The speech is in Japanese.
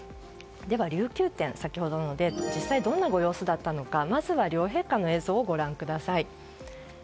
では琉球展実際どのようなご様子だったのかまずは両陛下の映像をご覧ください。